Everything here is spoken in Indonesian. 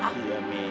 ndak pasti abis